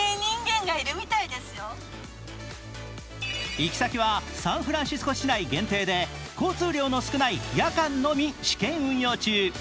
行き先はサンフランシスコ市内限定で交通量の少ない夜間のみ試験運用中。